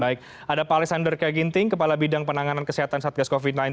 baik ada pak alexander kayak ginting kepala bidang penanganan kesehatan satgas covid sembilan belas